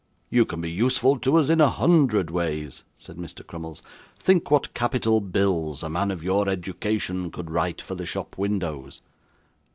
'You can be useful to us in a hundred ways,' said Mr. Crummles. 'Think what capital bills a man of your education could write for the shop windows.